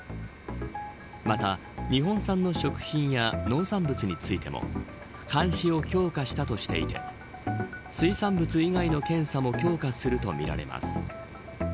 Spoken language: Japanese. また、日本産の食品や農産物についても監視を強化したとしていて水産物以外の検査も強化するとみられます。